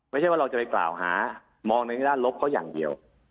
ไม่ใช่ว่าเราจะไปกล่าวหามองในด้านลบเขาอย่างเดียว